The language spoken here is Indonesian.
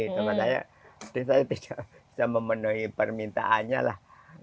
cuma saya tidak bisa memenuhi permintaannya lah